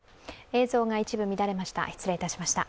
映像が一部乱れました。